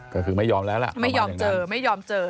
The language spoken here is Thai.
ก็คือไม่ยอมแล้วล่ะประมาณอย่างนั้น